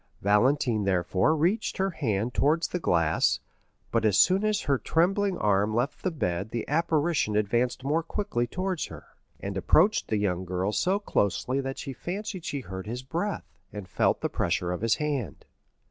Valentine therefore reached her hand towards the glass, but as soon as her trembling arm left the bed the apparition advanced more quickly towards her, and approached the young girl so closely that she fancied she heard his breath, and felt the pressure of his hand.